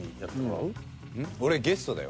俺ゲストだよ。